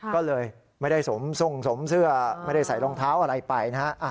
ก็เลยไม่ได้สวมทรงสวมเสื้อไม่ได้ใส่รองเท้าอะไรไปนะฮะ